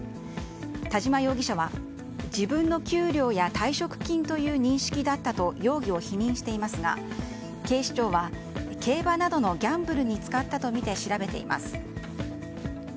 田嶋容疑者は自分の給料や退職金という認識だったと容疑を否認していますが警視庁は競馬などのギャンブルに使ったとみて調べています。